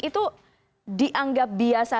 itu dianggap biasa